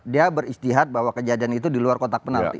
dia beristihad bahwa kejadian itu di luar kotak penalti